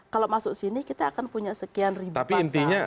kalau masuk sini kita akan punya sekian ribu pasar